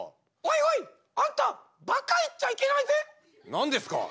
何ですか？